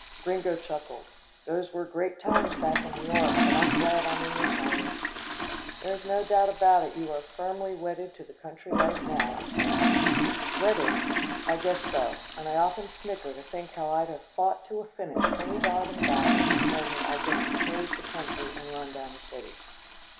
Gringo chuckled. "Those were great times back in New York, but I'm glad I'm in this army." "There's no doubt about it, you are firmly wedded to country life now," I said. "Wedded, I guess so, and I often snicker to think how I'd have fought to a finish any dog in the Bowery that told me I'd get to praise the country and run down the city."